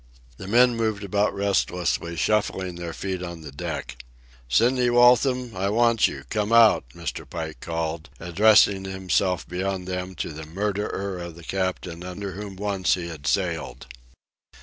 The men moved about restlessly, shuffling their feet on the deck. "Sidney Waltham, I want you—come out!" Mr. Pike called, addressing himself beyond them to the murderer of the captain under whom once he had sailed.